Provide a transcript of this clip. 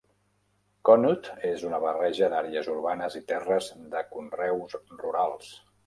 Conneaut és una barreja d'àrees urbanes i terres de conreu rurals.